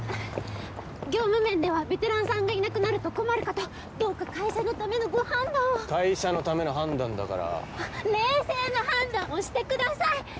業務面ではベテランさんがいなくなると困るかとどうか会社のためのご判断を会社のための判断だから冷静な判断をしてください